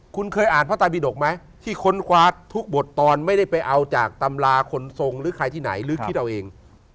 คุณเคยอ่านพระตายบิดกไหมที่ค้นคว้าทุกบทตอนไม่ได้ไปเอาจากตำราคนทรงหรือใครที่ไหนหรือคิดเอาเอง